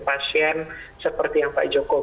pasien seperti yang pak joko